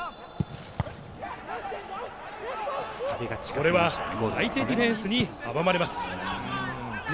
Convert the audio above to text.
これは相手ディフェンスに阻まれます。